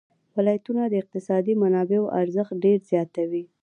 ولایتونه د اقتصادي منابعو ارزښت ډېر زیاتوي.